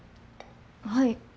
はい。